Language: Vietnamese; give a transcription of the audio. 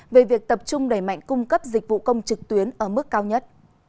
về việc tập trung đẩy mạnh cung cấp dịch vụ công trực tuyến ở mức cao nhất